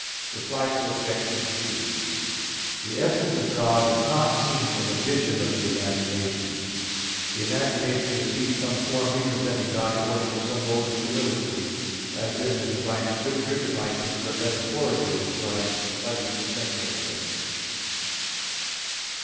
Reply Obj. 3: The essence of God is not seen in a vision of the imagination; but the imagination receives some form representing God according to some mode of similitude; as in the divine Scripture divine things are metaphorically described by means of sensible things.